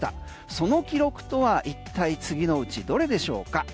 その記録とは一体次のうちどれでしょうか？